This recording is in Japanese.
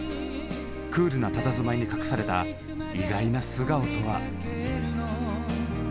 クールなたたずまいに隠された意外な素顔とは。